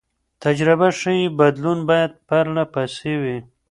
تجربه ښيي بدلون باید پرله پسې وي.